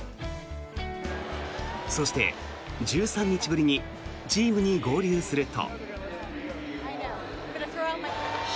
そして、１３日ぶりにチームに合流すると。